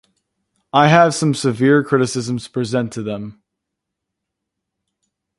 I have some severe criticisms to present to them.